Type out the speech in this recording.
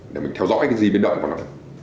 để mình theo dõi cái gì biến động vào nó